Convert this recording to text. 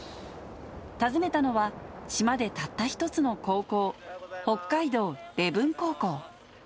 訪ねたのは、島でたった一つの高校、北海道礼文高校。